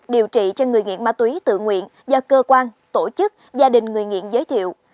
điều trị cho người nghiện ma túy tự nguyện do cơ quan tổ chức gia đình người nghiện giới thiệu